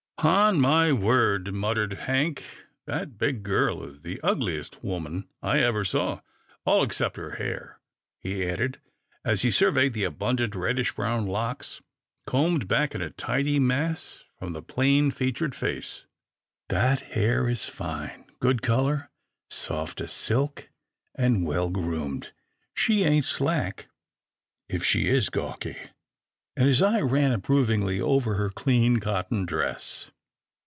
" Ton my word," muttered Hank, " that big girl is the ugliest woman I ever saw — all except her hair," he added, as he surveyed the abundant, reddish brown locks combed back in a tidy mass from the plain featured face. " That hair is fine — good colour, soft as silk, and well groomed. She ain't slack, if she is gawky," and his eye ran approvingly over her clean, cotton dress.